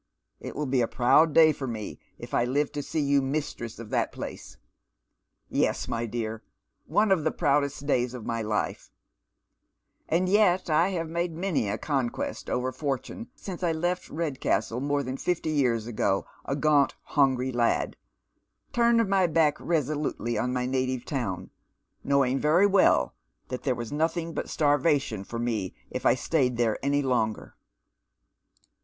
It will be a proud day for me if I live to see you mistress of tliat place. Yes, my dear, one of the proudest days of ray life ; and yet I have made many a conquest over fortune since I left Redcastle, more than fifty years ago, a gaunt hungry lad — turned my back resolutely on my native town, knowing very well that tliere was nothing but starvation for me if I stayed there any longer."